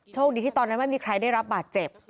โชคดีที่ตอนนั้นไม่มีใครได้รับบาดเจ็บ